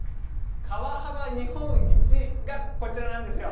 川幅日本一がこちらなんですよ。